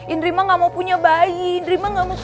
indri mah gak mau punya bayi